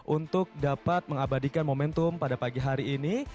untuk dapat mengabadikan momentum pada pagi hari ini